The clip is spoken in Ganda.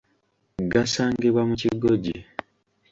Gasangibwa mu kigoji.